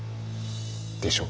でしょ？